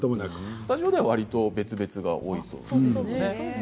スタジオはわりと別々が多いですね。